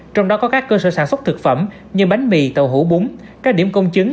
trong đó có các cơ sở sản xuất thực phẩm như bánh mì tàu hủ búng các điểm công chứng